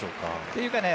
というかね